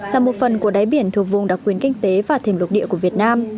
là một phần của đáy biển thuộc vùng đặc quyền kinh tế và thềm lục địa của việt nam